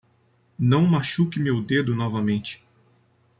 Não machuque meu dedo novamente.